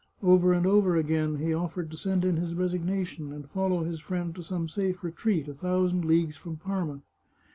Over and over again he offered to send in his resignation, and follow his friend to some safe retreat a thousand leagues from Parma.